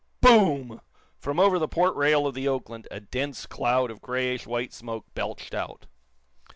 Boom! From over the port rail of the "Oakland" a dense cloud of grayish white smoke belched out.